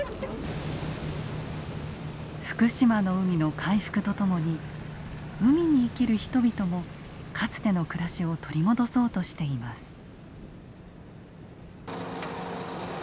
福島の海の回復とともに海に生きる人々もかつての暮らしを取り戻そうとしています。